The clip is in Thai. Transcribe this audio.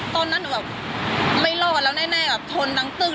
ตอนนั้นหนูแบบไม่รอดแล้วแน่ชนดังตึก